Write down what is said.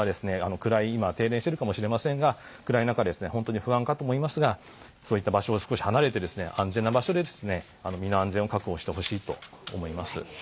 暗くて停電しているかもしれませんが暗い中、不安かと思いますがそういった場所から離れて安全な場所で身の安全を確保してほしいと思います。